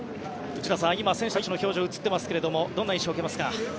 内田さん、選手たちの表情映っていますがどんな印象を受けますか？